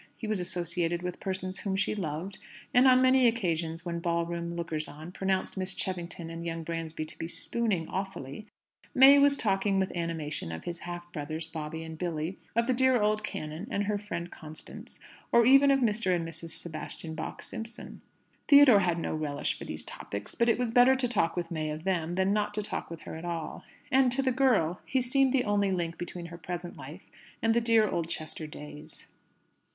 He was associated with persons whom she loved: and on many occasions when ball room lookers on pronounced Miss Cheffington and young Bransby to be "spooning awfully," May was talking with animation of his half brothers, Bobby and Billy, of the dear old canon and her friend Constance, or even of Mr. and Mrs. Sebastian Bach Simpson. Theodore had no relish for these topics; but it was better to talk with May of them, than not to talk with her at all. And to the girl, he seemed the only link between her present life and the dear Oldchester days.